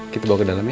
kita bawa ke dalam ya